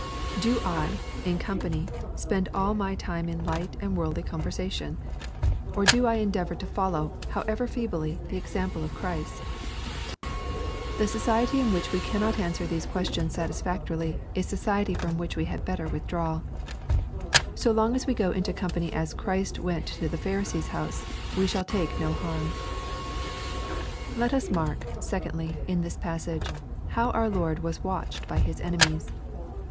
"Do I, in company, upend all my time in light and worldly conversation ? 148 EXPOSITORY THOUGHTS. Or do I endeavor to follow, however feebly, the example of Christ ?" The society in which we cannot answer these questions satisfactorily, is society from which we had bet tor withdraw — So long as we go into company as Christ went to the Pharisee's house, we shall take no harm. Let us mark, secondly, in this passage, how our Lord was watched by His enemies.